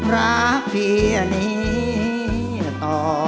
รักพี่อันนี้ต่อ